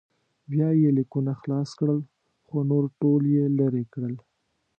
بیا یې لیکونه خلاص کړل خو نور ټول یې لرې کړل.